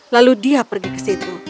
lalu dia pergi ke situ